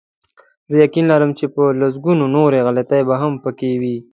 زه یقین لرم چې په لسګونو نورې غلطۍ به هم پکې وي.